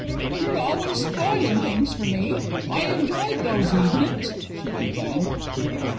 "You're always spoilin' things for me. I enjoyed those evenin's," she complained.